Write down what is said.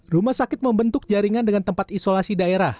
rumah sakit membentuk jaringan dengan tempat isolasi daerah